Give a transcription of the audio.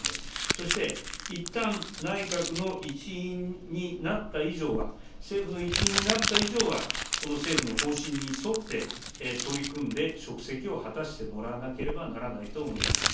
そして、いったん内閣の一員になった以上は、政府の一員になった以上は、この政府の方針に沿って、取り組んで職責を果たしてもらわなければならないと思います。